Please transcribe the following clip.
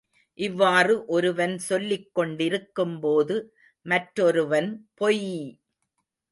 இவ்வாறு ஒருவன் சொல்லிக் கொண்டிருக்கும்போது, மற்றொருவன் பொய்!